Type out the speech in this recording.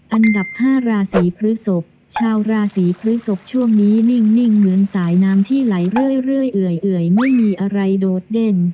อันดับห้าราศรีพฤศพชาวราศรีพฤศพช่วงนี้นิ่งนิ่งเหมือนสายน้ำที่ไหลเรื่อยเรื่อยเอื่อยเอื่อยไม่มีอะไรโดดเด้น